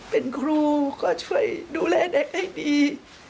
เป็นครูก็ช่วยดูแลเด็กให้ดี